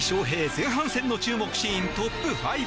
前半戦の注目シーントップ５。